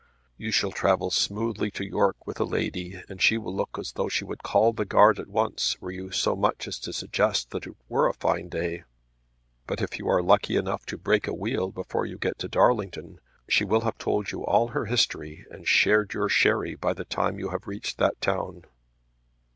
You shall travel smoothly to York with a lady and she will look as though she would call the guard at once were you so much as to suggest that it were a fine day; but if you are lucky enough to break a wheel before you get to Darlington, she will have told you all her history and shared your sherry by the time you have reached that town.